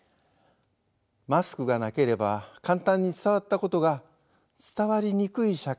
マスクがなければ簡単に伝わったことが伝わりにくい社会になりました。